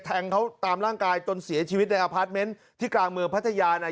แทงเขาตามร่างกายต้นเสียชีวิตในที่กลางเมืองพัทยาน่ะ